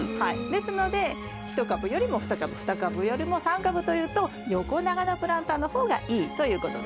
ですので１株よりも２株２株よりも３株というと横長のプランターの方がいいということです。